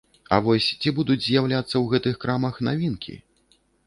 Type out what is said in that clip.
А вось ці будуць з'яўляцца ў гэтых крамах навінкі?